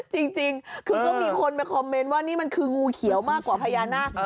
จริงคือก็มีคนมาคอมเมนต์ว่านี่มันคืองูเขียวมากกว่าพญานาค